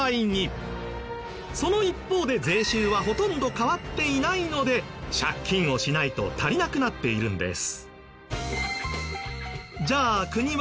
その一方で税収はほとんど変わっていないので借金をしないと足りなくなっているんです。